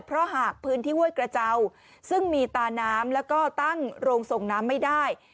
เพราะหากพื้นที่ห้วยกระเจ้าซึ่งมีตาน้ำแล้วก็ตั้งโรงส่งน้ำไม่ได้